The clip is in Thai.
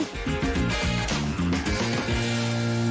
หัวใจหวิว